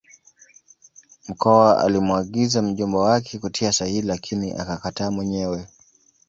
Mkwawa alimuagiza mjomba wake kutia sahihi lakini akakataa mwenyewe